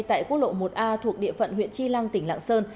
tại quốc lộ một a thuộc địa phận huyện chi lăng tỉnh lạng sơn